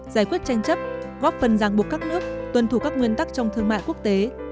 giải quyết tranh chấp góp phần ràng buộc các nước tuân thủ các nguyên tắc trong thương mại quốc tế